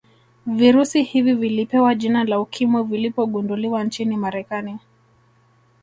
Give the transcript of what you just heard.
Virusi hivi vilipewa jina la ukimwi vilipogunduliwa nchini marekani